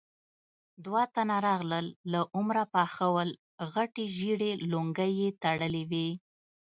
دوه تنه راغلل، له عمره پاخه ول، غټې ژېړې لونګۍ يې تړلې وې.